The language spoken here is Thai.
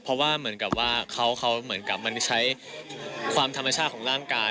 เพราะว่าเหมือนกับว่าเขาเหมือนกับมันใช้ความธรรมชาติของร่างกาย